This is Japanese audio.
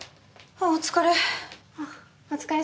あぁお疲れ。